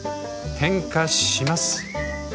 点火します。